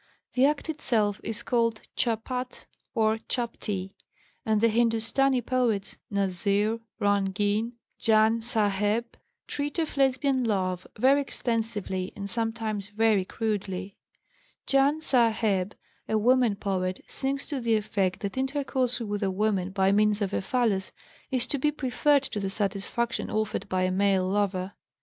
The act itself is called chapat or chapti, and the Hindustani poets, Nazir, Rangin, Ján S'áheb, treat of Lesbian love very extensively and sometimes very crudely. Ján S'áheb, a woman poet, sings to the effect that intercourse with a woman by means of a phallus is to be preferred to the satisfaction offered by a male lover.